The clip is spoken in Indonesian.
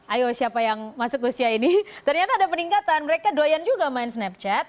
ayo siapa yang masuk usia ini ternyata ada peningkatan mereka doyan juga main snapchat